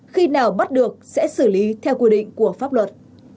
khi nào bắt được sẽ xử lý theo quy định của pháp luật